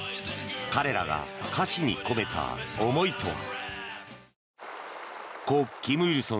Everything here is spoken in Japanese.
彼らが歌詞に込めた思いとは。